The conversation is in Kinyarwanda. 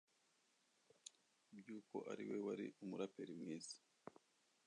by’uko ari we wari umuraperi mwiza